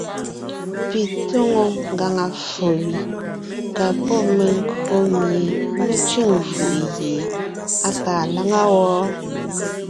Pi tóŋo ngàŋa ffo gẅi ka pɔ́ menkÿo mie mé cʉ̂ŋ fʉʼ gie á kaa láŋa wɔ́.